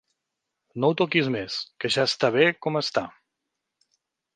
No ho toquis més, que ja està bé com està.